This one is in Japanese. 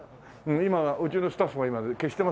今うちのスタッフが消してますよ